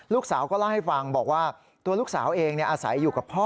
ลูกสาวก็เล่าให้ฟังบอกว่าตัวลูกสาวเองอาศัยอยู่กับพ่อ